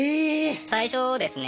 最初ですね